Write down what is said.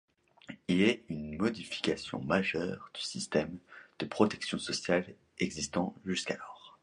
Il est une modification majeure du système de protection sociale existant jusqu'alors.